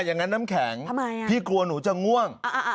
อย่างนั้นน้ำแข็งพี่กลัวหนูจะง่วง